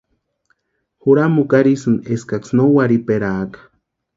Juramukwa arhisïni eskaksï no warhiperaaka.